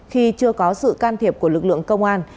khi chưa có sự can thiệp của lực lượng công an